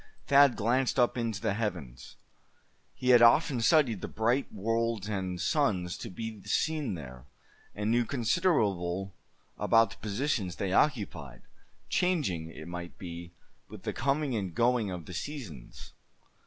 Thad glanced up into the heavens. He had often studied the bright worlds and suns to be seen there, and knew considerable about the positions they occupied, changing, it might be, with the coming and going of the seasons.